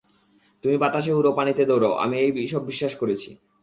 তুমি বাতাসে উড়ো, পানিতে দৌড়াও, আমি এই সব বিশ্বাস করেছি।